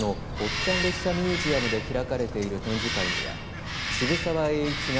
ちゃん列車ミュージアムで開かれている展示会には渋沢栄一が